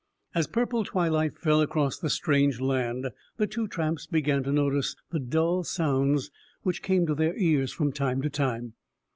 As purple twilight fell across the strange land, the two tramps began to notice the dull sounds which came to their ears from time to time.